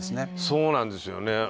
そうなんですよね。